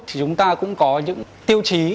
chúng ta cũng có những tiêu chí